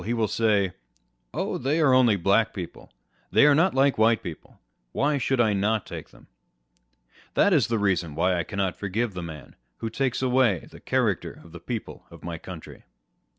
he wall say, Oh, they are only Black people â€" they are not like White people â€" why should I not take them f That is the reason wThy I cannot forgive the man who takes away the character of the people of my country.'